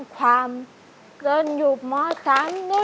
คอเราอยู่เมื่อไม่ได้